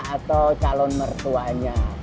atau calon mertuanya